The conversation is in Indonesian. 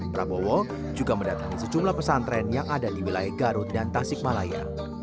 prabowo juga mendatangi sejumlah pesantren yang ada di wilayah garut dan tasik malaya